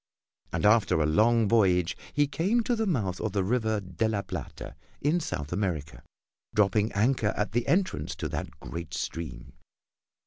And after a long voyage he came to the mouth of the River de la Plata in South America, dropping anchor at the entrance to that great stream.